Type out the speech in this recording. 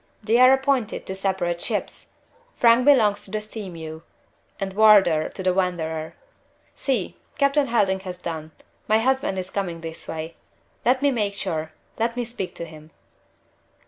They are appointed to separate ships. Frank belongs to the Sea mew, and Wardour to the Wanderer. See! Captain Helding has done. My husband is coming this way. Let me make sure. Let me speak to him."